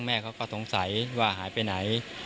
แม่เขาก็สงสัยว่าหายไปไหน